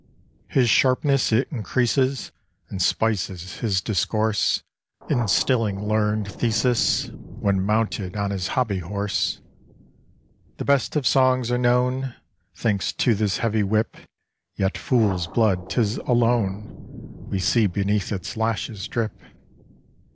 "His sharpness it increases, And spices his discourse, Instilling learned theses, When mounted on his hobby horse "The best of songs are known, Thanks to this heavy whip Yet fool's blood 'tis alone We see beneath its lashes drip.